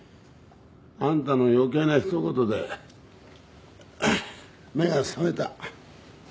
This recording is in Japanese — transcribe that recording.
あんたの余計な一言でうっ目が覚めた。